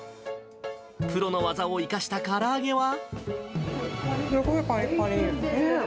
プロの技を生かしたから揚げは？